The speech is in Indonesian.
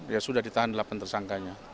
ya sudah ditahan delapan tersangkanya